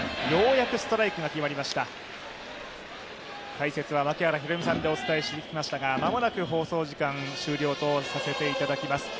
解説は槙原寛己さんでお伝えしていきましたが、間もなく放送時間終了とさせていただきます。